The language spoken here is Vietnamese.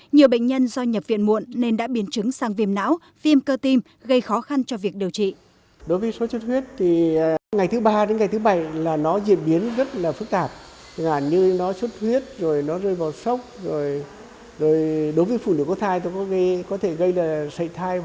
nhiều bệnh nhân do nhập viện muộn nên đã biến chứng sang viêm não viêm cơ tim gây khó khăn cho việc điều trị